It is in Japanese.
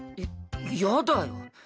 やだよ。